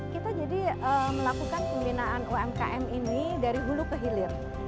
kita jadi melakukan pembinaan umkm ini dari hulu ke hilir